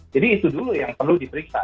jadi itu dulu yang perlu diperiksa